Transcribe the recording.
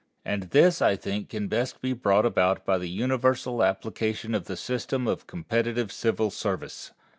And this I think can best be brought about by the universal application of the system of competitive civil service.